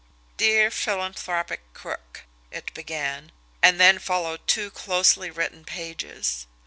"Dear Philanthropic Crook," it began and then followed two closely written pages.